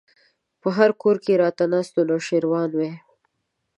په هر کور کې راته ناست نوشيروان وای